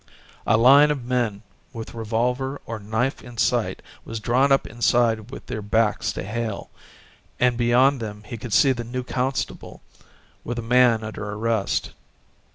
A line of men with revolver or knife in sight was drawn up inside with their backs to Hale, and beyond them he could see the new constable with a man under arrest.